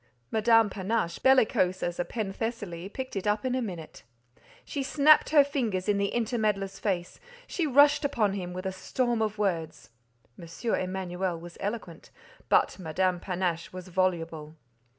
Madame Panache, bellicose as a Penthesilea, picked it up in a minute. She snapped her fingers in the intermeddler's face; she rushed upon him with a storm of words. M. Emanuel was eloquent; but Madame Panache was voluble.